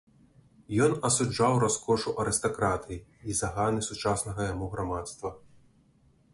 Ён асуджаў раскошу арыстакратыі і заганы сучаснага яму грамадства.